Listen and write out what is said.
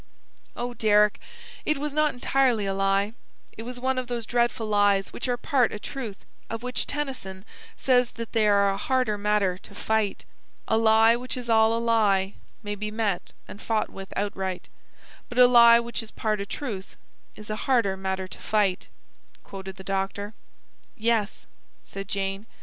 "Oh, Deryck, it was not entirely a lie. It was one of those dreadful lies which are 'part a truth,' of which Tennyson says that they are 'a harder matter to fight.'" "'A lie which is all a lie May be met and fought with outright; But a lie which is part a truth Is a harder matter to fight,'" quoted the doctor. "Yes," said Jane.